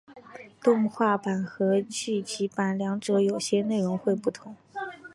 动画版和剧集版两者有些内容会不同。